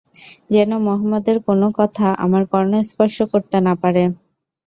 যেন মুহাম্মদের কোন কথা আমার কর্ণ স্পর্শ করতে না পারে।